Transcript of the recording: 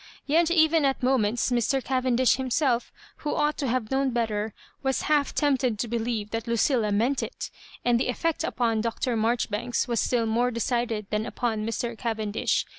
Yet even at moments Mr. Cavendish himself, who ought to have known better, was half tempted to believe that Lucilla meant it ; and the e£fect upon Dr. Marjoribanks was still more decided than upon Mr. Cavendish.